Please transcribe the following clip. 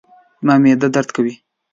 زما معده درد کوي